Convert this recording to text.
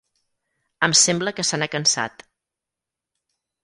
Em sembla que se n'ha cansat.